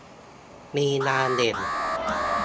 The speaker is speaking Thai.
มีงานเด่น